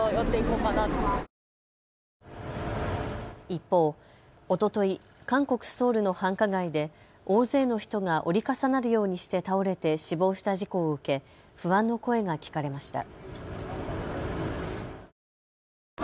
一方、おととい韓国・ソウルの繁華街で大勢の人が折り重なるようにして倒れて死亡した事故を受け不安の声が聞かれました。